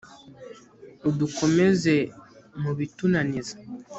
udukomeze mu bitunaniza